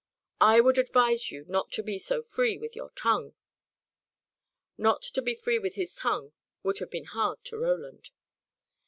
I would advise you not to be so free with your tongue." Not to be free with his tongue would have been hard to Roland.